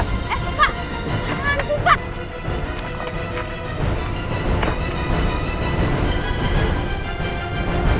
eh pak tangan sih pak